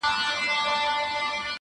ورځه ورځه تر دکن تېر سې.!